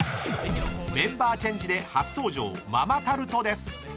［メンバーチェンジで初登場ママタルトです］